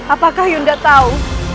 apakah yunda tahu